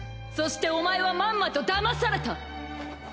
そしてお前はまんまとだまされた。